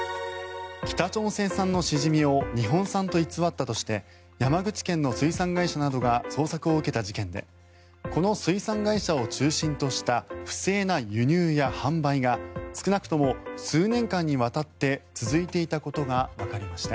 北朝鮮産のシジミを日本産と偽ったとして山口県の水産会社などが捜索を受けた事件でこの水産会社を中心とした不正な輸入や販売が少なくとも数年間にわたって続いていたことがわかりました。